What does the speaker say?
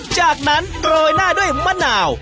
จากนั้นโรยหน้าด้วยมะนาว